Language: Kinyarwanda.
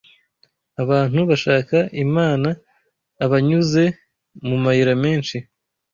abantu bashaka Iman abanyuze mu mayira menshi